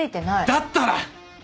だったら！